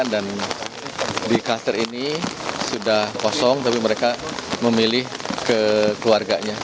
dan di kastil ini sudah kosong tapi mereka memilih ke keluarganya